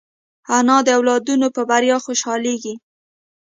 انا د اولادونو په بریا خوشحالېږي